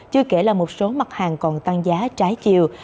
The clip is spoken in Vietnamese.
chưa kể là một số mặt hàng còn tăng giá trái chiều